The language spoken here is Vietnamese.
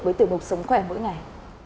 với tiểu bục sống khỏe mỗi ngày